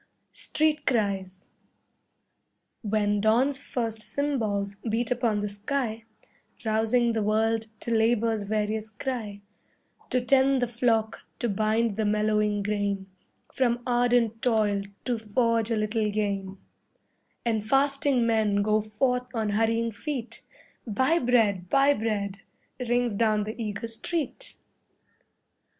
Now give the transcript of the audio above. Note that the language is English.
STREET CRIES When dawn's first cymbals beat upon the sky, Rousing the world to labour's various cry, To tend the flock, to bind the mellowing grain, From ardent toil to forge a little gain, And fasting men go forth on hurrying feet, BUY BREAD, BUY BREAD, rings down the eager street.